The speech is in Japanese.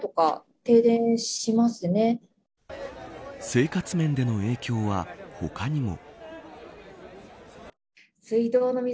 生活面での影響は他にも。